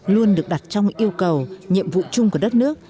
luôn được đặt trong yêu cầu nhiệm vụ chung của đất nước